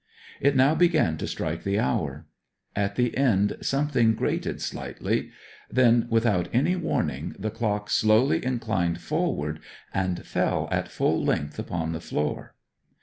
It now began to strike the hour. At the end something grated slightly. Then, without any warning, the clock slowly inclined forward and fell at full length upon the floor.